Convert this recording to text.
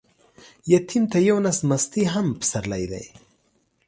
يتيم ته يو نس مستې هم پسرلى دى.